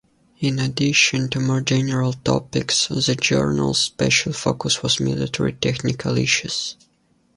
In addition to more general topics, the journal's special focus was military technical issues.